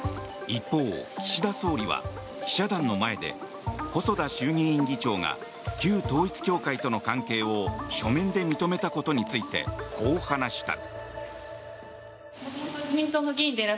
一方、岸田総理は記者団の前で細田衆議院議長が旧統一教会との関係を書面で認めたことについてこう話した。